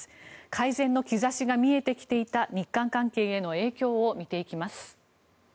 改善の兆しが見えてきていた日韓関係への影響を見ていきます。